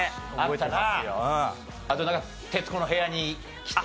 あとなんか『徹子の部屋』に来て。